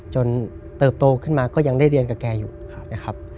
เติบโตขึ้นมาก็ยังได้เรียนกับแกอยู่นะครับ